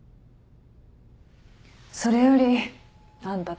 それよりあんた